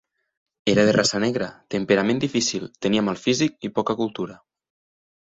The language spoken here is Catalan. Era de raça negra, temperament difícil, tenia mal físic i poca cultura.